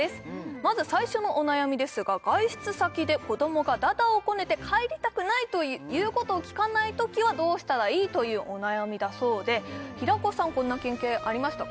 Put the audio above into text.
まず最初のお悩みですが外出先で子どもが駄々をこねて帰りたくないと言うことを聞かないときはどうしたらいい？というお悩みだそうで平子さんこんな経験ありましたか？